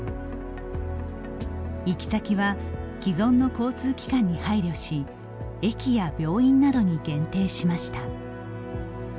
行き先は、既存の交通機関に配慮し駅や病院などに限定しました。